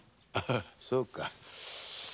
あそうか。